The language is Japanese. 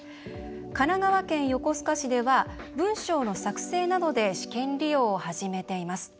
神奈川県横須賀市では文章の作成などで試験利用を始めています。